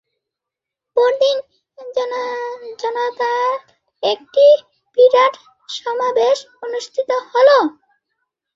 পরদিন জনতার একটি বিরাট সমাবেশ অনুষ্ঠিত হলো।